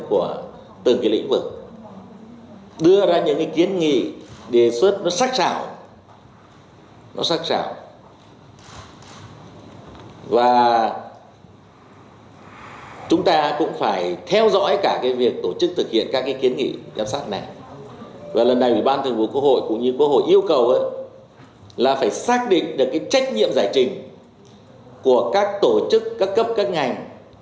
ủy ban thường vụ quốc hội cũng như quốc hội yêu cầu là phải xác định được trách nhiệm giải trình của các tổ chức các cấp các ngành